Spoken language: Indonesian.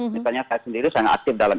misalnya saya sendiri sangat aktif dalam